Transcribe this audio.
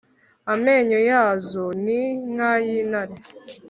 amenyo yazo ni nk’ay’intare,